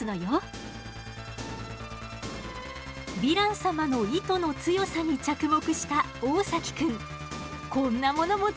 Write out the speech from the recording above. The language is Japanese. ヴィラン様の糸の強さに着目した大崎くんこんなものも作っちゃったの。